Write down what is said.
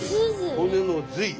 骨の髄よ。